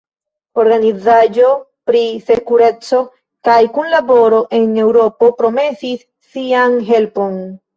Organizaĵo pri Sekureco kaj Kunlaboro en Eŭropo promesis sian helpon.